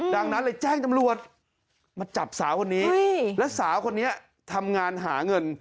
ดังนั้นเลยแจ้งตำรวจมาจับสาวคนนี้แล้วสาวคนนี้ทำงานหาเงิน